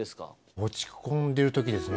落ち込んでるときですね。